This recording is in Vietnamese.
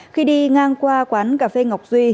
khi đi ngang qua quán cà phê ngọc duy